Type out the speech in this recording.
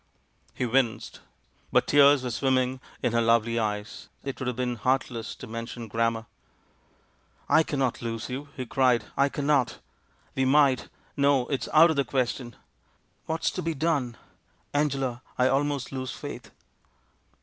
He winced. But tears were swimming in her lovely eyes ; it would have been heartless to men tion grammar. "I cannot lose you," he cried, "I cannot! We might — no, it's out of the question. What's to be done? Angela, I almost lose faith!"